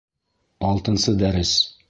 Алтынсы дәрес